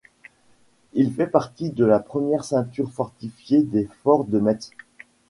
Il fait partie de la première ceinture fortifié des forts de Metz.